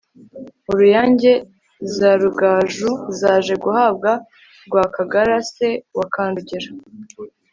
uruyange zarugaju zaje guhabwa rwakagara se wa kanjogera